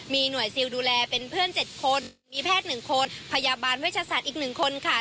มีหน่วยซิลดูแลเป็นเพื่อน๗คนมีแพทย์๑คนพยาบาลเวชศาสตร์อีก๑คนค่ะ